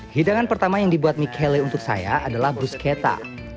hidangan pertama yang dibuat michele untuk saya adalah bruschetta